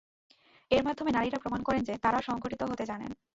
এর মাধ্যমে নারীরা প্রমাণ করেন যে তাঁরাও সংগঠিত হতে জানেন।